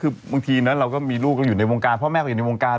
คือบางทีนะเราก็มีลูกเราอยู่ในวงการพ่อแม่ก็อยู่ในวงการ